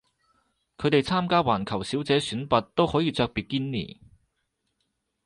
佢哋參加環球小姐選拔都可以着比基尼